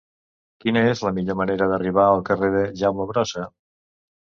Quina és la millor manera d'arribar al carrer de Jaume Brossa?